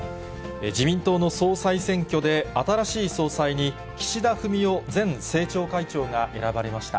自民党の総裁選挙で新しい総裁に、岸田文雄前政調会長が選ばれました。